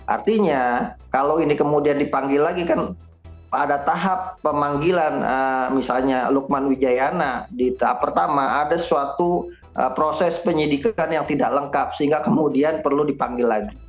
artinya kalau ini kemudian dipanggil lagi kan pada tahap pemanggilan misalnya lukman wijayana di tahap pertama ada suatu proses penyidikan yang tidak lengkap sehingga kemudian perlu dipanggil lagi